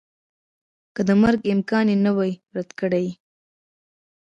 که د مرګ امکان یې نه وای رد کړی